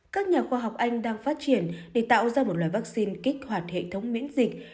các nhà khoa học anh đang phát triển để tạo ra một loại vaccine kích hoạt hệ thống miễn dịch